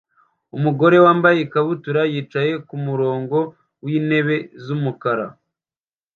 Umugore wambaye ikabutura yicaye kumurongo wintebe z'umukara